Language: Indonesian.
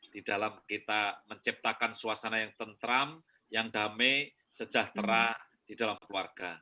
di dalam kita menciptakan suasana yang tentram yang damai sejahtera di dalam keluarga